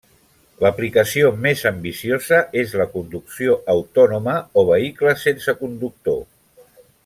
L'aplicació més ambiciosa és la conducció autònoma o vehicles sense conductor.